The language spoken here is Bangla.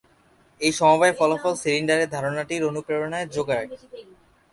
এই সমবায় ফলাফল সিলিন্ডারের ধারণাটির অনুপ্রেরণা জোগায়।